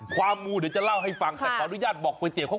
ความมูเดี๋ยวจะเล่าให้ฟังแต่ขออนุญาตบอกไกดเด๋ยล่ะก่อน